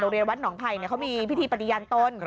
โรงเรียนวัดหนองไผ่เนี่ยเขามีพิธีปฏิญาณต้น